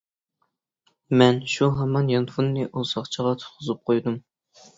مەن شۇ ھامان يانفوننى ئۇ ساقچىغا تۇتقۇزۇپ قويدۇم.